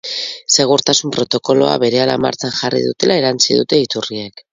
Segurtasun protokoloa berehala martxan jarri dutela erantsi dute iturriek.